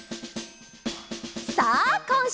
さあこんしゅうの。